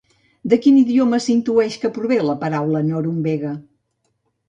De quin idioma s'intueix que prové la paraula "Norumbega"?